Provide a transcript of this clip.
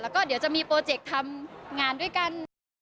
แล้วก็เดี๋ยวจะมีโปรเจกต์ทำงานด้วยกัน